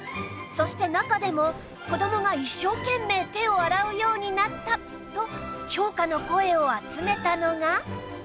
そして中でも子どもが一生懸命手を洗うようになったと評価の声を集めたのが